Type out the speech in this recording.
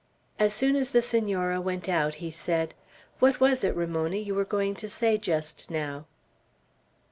As soon as the Senora went out, he said, "What was it, Ramona, you were going to say just now?"